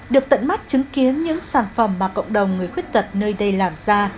được tận mắt chứng kiến những sản phẩm mà cộng đồng người khuyết tật nơi đây làm ra